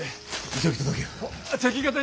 急ぎ届けよ。